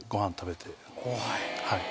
はい。